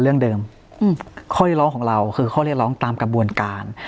เข้าเรียนร้องของเราคือเข้าเรียนร้องตามกระบวนการ